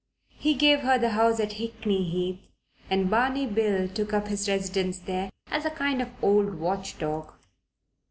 He gave her the house at Hickney Heath, and Barney Bill took up his residence there as a kind of old watch dog.